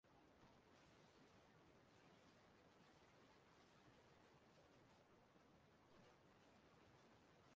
Arụ na nwanne ya Nsọala bụ ndịiche Omenala